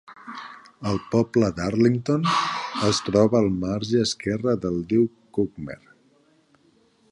El poble d'Arlington es troba al marge esquerre del riu Cuckmere.